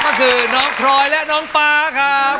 ก็คือน้องพลอยและน้องฟ้าครับ